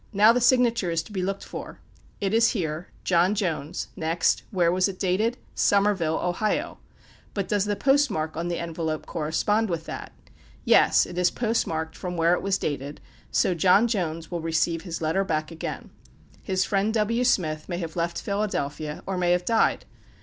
Now, the signature is to be looked for: it is here "John Jones;" next, where was it dated? "Somerville, Ohio;" but does the post mark on the envelope correspond with that? Yes, it is post marked from where it was dated; so, "John Jones" will receive his letter back again: his friend, "W. Smith," may have left Philadelphia, or may have died.